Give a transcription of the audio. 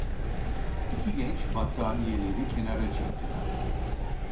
İki genç battaniyeleri kenara çektiler.